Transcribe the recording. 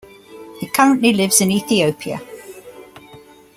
He currently lives in Ethiopia.